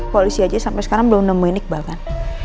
polisi aja sampai sekarang belum nemuin iqbal kan